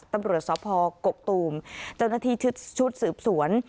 ตำรวจสภกกตูมจนที่ชุดสืบสวน